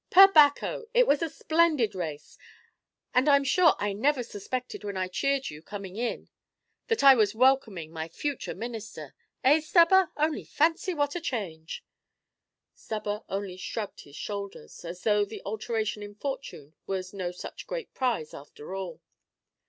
"Per Bacco! it was a splendid race, and I'm sure I never suspected when I cheered you coming in, that I was welcoming my future minister. Eh, Stubber, only fancy what a change!" Stubber only shrugged his shoulders, as though the alteration in fortune was no such great prize after all.